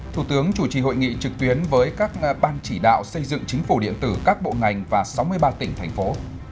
thủ tướng chủ trì hội nghị trực tuyến với các ban chỉ đạo xây dựng chính phủ điện tử các bộ ngành và sáu mươi ba tỉnh thành phố